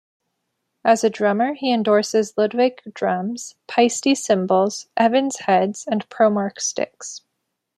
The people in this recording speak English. As a drummer he endorses Ludwig drums, Paiste cymbals, Evans heads and Promark sticks.